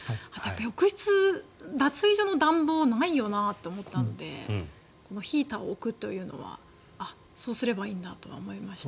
浴室脱衣所の暖房ないなと思ったのでヒーターを置くというのはそうすればいいんだとは思いました。